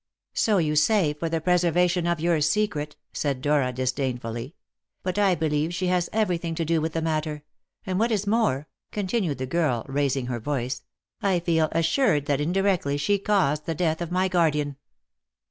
"So you say, for the preservation of your secret," said Dora disdainfully; "but I believe that she has everything to do with the matter. And what is more," continued the girl, raising her voice, "I feel assured that indirectly she caused the death of my guardian."